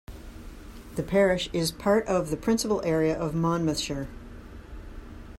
The parish is part of the principal area of Monmouthshire.